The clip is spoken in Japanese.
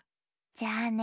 じゃあね